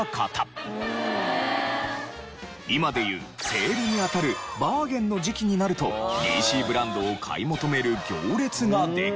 今でいうセールにあたるバーゲンの時期になるとＤＣブランドを買い求める行列ができ。